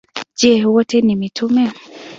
Je, wote ni mitume?